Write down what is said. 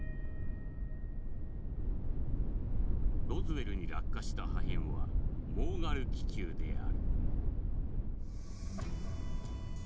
「ロズウェルに落下した破片はモーガル気球である」。